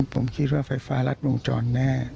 ผมคิดว่าไฟฟ้ารัดวงจรแน่